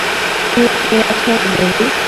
Mute হয়ে আছো, Jerry?